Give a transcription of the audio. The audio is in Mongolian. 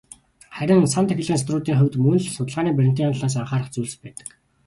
Харин "сан тахилгын судруудын" хувьд мөн л судалгааны баримтынх нь талаас анхаарах зүйлс байдаг.